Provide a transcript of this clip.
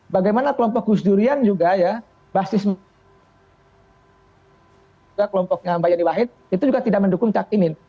bagaimana kelompok gus durian juga basis kelompoknya mbak yani wahid itu juga tidak mendukung cakimin